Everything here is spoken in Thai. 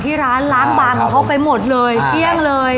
ที่ร้านล้างบางเขาไปหมดเลยเกลี้ยงเลย